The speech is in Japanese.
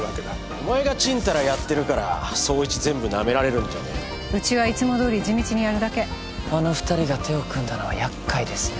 お前がチンタラやってるから捜一全部なめられるんじゃねえのうちはいつもどおり地道にやるだけあの二人が手を組んだのはやっかいですね